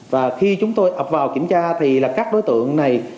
và khi chúng tôi ập vào kiểm tra thì là các đối tượng này